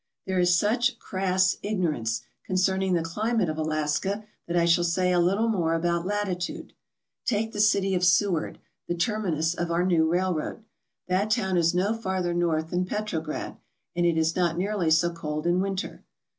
There is such crass ignorance concerning the climate of Alaska that I shall say a little more about latitude. Take the city of Seward, the terminus of our new railroad. That town is no farther north than Petrograd, and it is not' nearly so cold in winter.